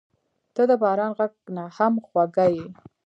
• ته د باران غږ نه هم خوږه یې.